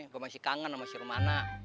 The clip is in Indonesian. gue masih kangen sama si rumahna